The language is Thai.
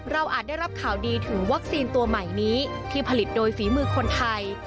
อาจได้รับข่าวดีถึงวัคซีนตัวใหม่นี้ที่ผลิตโดยฝีมือคนไทย